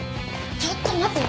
ちょっと待って。